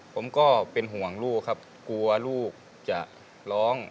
ผมก็เป็นห่วงลูกครับกลัวลูกจะร้อง